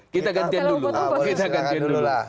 kita gantian dulu